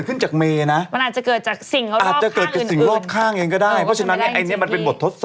หรือหรอแล้วจะเตะกรุ๊ปปอนด์เป็นอีกบ้านอะไร